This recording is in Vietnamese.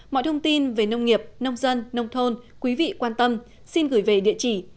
mọi thông tin về nông nghiệp nông dân nông thôn quý vị quan tâm xin gửi về địa chỉ